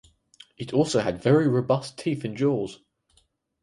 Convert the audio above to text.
It also had very robust teeth and jaws.